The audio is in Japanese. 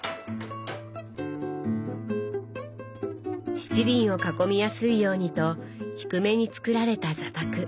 七輪を囲みやすいようにと低めに作られた座卓。